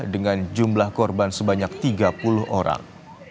dengan jumlah korban sebanyak tiga puluh orang